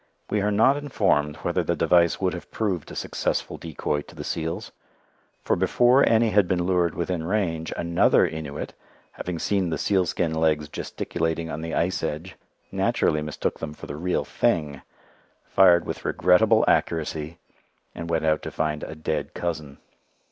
We are not informed whether the device would have proved a successful decoy to the seals, for before any had been lured within range, another Innuit, having seen the sealskin legs gesticulating on the ice edge, naturally mistook them for the real thing, fired with regrettable accuracy, and went out to find a dead cousin.